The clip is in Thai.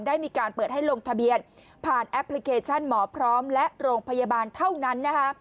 ได้มีการเปิดให้ลงทะเบียนผ่านแอปพลิเคชันหมอพร้อมและโรงพยาบาลเท่านั้นนะคะ